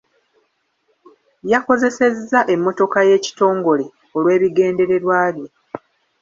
Yakozesezza emmotoka y'ekitongole olw'ebigendererwa bye.